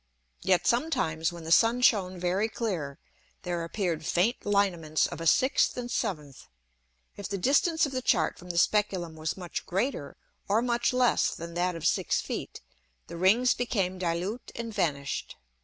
Yet sometimes, when the Sun shone very clear, there appear'd faint Lineaments of a sixth and seventh. If the distance of the Chart from the Speculum was much greater or much less than that of six Feet, the Rings became dilute and vanish'd.